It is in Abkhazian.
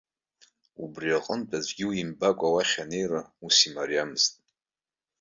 Убри аҟнытә, аӡәгьы уимбакәа уахь анеира ус имариамызт.